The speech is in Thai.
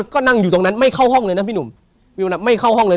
ก็นั่งอยู่ตรงนั้นไม่เข้าห้องเลยนะพี่หนุ่มวิวน่ะไม่เข้าห้องเลย